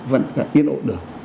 vẫn yên ổn được